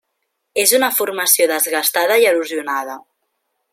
És una formació desgastada i erosionada.